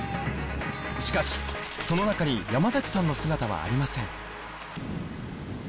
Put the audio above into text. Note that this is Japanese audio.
しかしその中に山さんの姿はありません